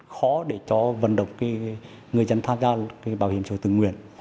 khó để cho vận động cái người dân tham gia cái bảo hiểm xã hội từ nguyện